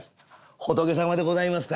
「仏様でございますか。